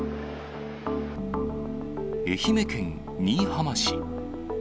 愛媛県新居浜市。